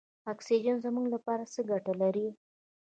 اکسیجن زموږ لپاره څه ګټه لري.